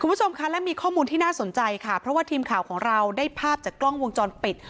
คุณผู้ชมค่ะและมีข้อมูลที่น่าสนใจค่ะเพราะว่าทีมข่าวของเราได้ภาพจากกล้องวงจรปิด